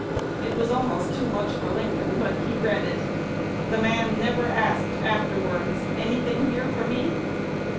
It was almost too much for Lincoln, but he read it. The man never asked afterwards, 'Any thing here for me?"